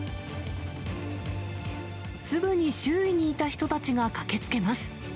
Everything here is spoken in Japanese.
すぐに周囲にいた人たちが駆けつけます。